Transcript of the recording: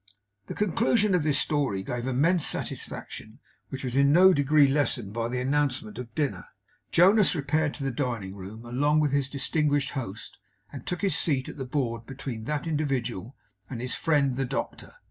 The conclusion of this story gave immense satisfaction, which was in no degree lessened by the announcement of dinner. Jonas repaired to the dining room, along with his distinguished host, and took his seat at the board between that individual and his friend the doctor.